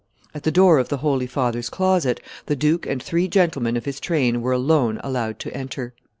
At the door of the Holy Father's closet, the duke and three gentlemen of his train were alone allowed to enter.